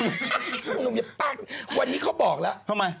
นะเงี้ยนี่เขาบอกแล้วทำไม